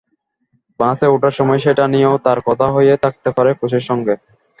বাসে ওঠার সময় সেটা নিয়েও তাঁর কথা হয়ে থাকতে পারে কোচের সঙ্গে।